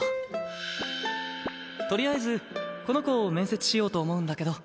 とりあえずこの子面接しようと思うんだけど。